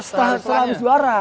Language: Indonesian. setelah habis juara